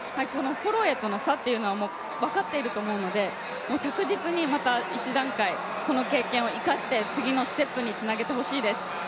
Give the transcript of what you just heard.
ホロウェイとの差というのは分かっていると思うので着実にまた１段階、この経験を、次のステップにつなげてほしいです。